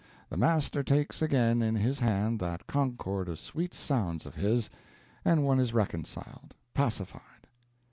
The master takes again in his hand that concord of sweet sounds of his, and one is reconciled, pacified.